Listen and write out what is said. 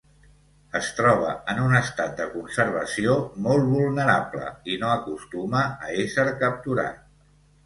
Es troba en un estat de conservació molt vulnerable i no acostuma a ésser capturat.